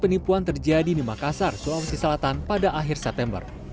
penipuan terjadi di makassar sulawesi selatan pada akhir september